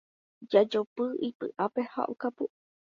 Jajopy ipy'ápe ha okapu.